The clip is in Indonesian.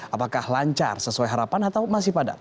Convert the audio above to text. apakah lancar sesuai harapan atau masih padat